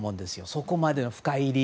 そこまでの深入り。